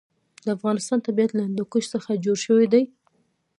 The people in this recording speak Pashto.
د افغانستان طبیعت له هندوکش څخه جوړ شوی دی.